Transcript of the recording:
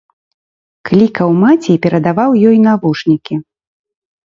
Клікаў маці і перадаваў ёй навушнікі.